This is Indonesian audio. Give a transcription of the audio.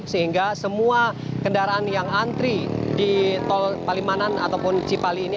sehingga semua kendaraan yang antri di tol palimanan ataupun cipali ini